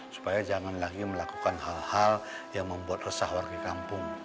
supaya jangan lagi melakukan hal hal yang membuat resah warga kampung